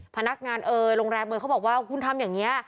พนักงานเอ่ยโรงแรมเอยเขาบอกว่าคุณทำอย่างนี้